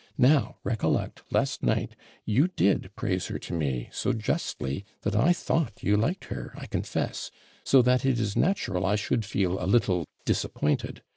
Now recollect, last night, you did praise her to me, so justly, that I thought you liked her, I confess; so that it is natural I should feel a little disappointed.